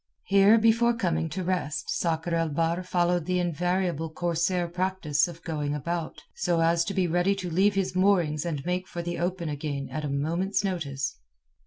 Here before coming to rest, Sakr el Bahr followed the invariable corsair practice of going about, so as to be ready to leave his moorings and make for the open again at a moment's notice.